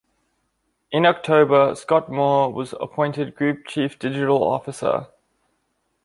In October, Scott Moore was appointed Group Chief Digital Officer.